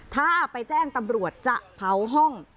ถ้าไปแจ้งตำรวจจะเผาห้อง